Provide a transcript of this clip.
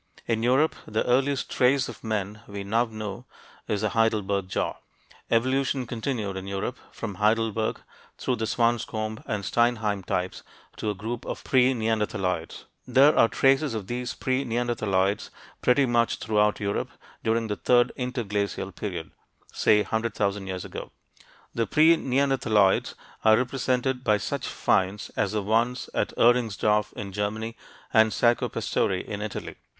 In Europe, the earliest trace of men we now know is the Heidelberg jaw. Evolution continued in Europe, from Heidelberg through the Swanscombe and Steinheim types to a group of pre neanderthaloids. There are traces of these pre neanderthaloids pretty much throughout Europe during the third interglacial period say 100,000 years ago. The pre neanderthaloids are represented by such finds as the ones at Ehringsdorf in Germany and Saccopastore in Italy.